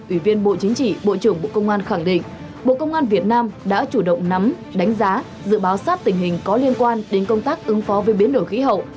ủy viên bộ chính trị bộ trưởng bộ công an khẳng định bộ công an việt nam đã chủ động nắm đánh giá dự báo sát tình hình có liên quan đến công tác ứng phó với biến đổi khí hậu